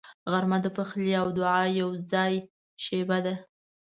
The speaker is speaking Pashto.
غرمه د پخلي او دعا یوځای شیبه ده